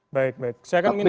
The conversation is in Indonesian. baik baik saya akan minta